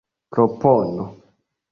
propono